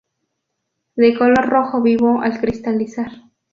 De color rojo vivo al cristalizar.